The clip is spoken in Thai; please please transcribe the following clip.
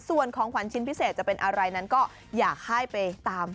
ส่วนของขวัญชิ้นพิเศษจะเป็นอะไรนั้นก็อยากให้ไปตาม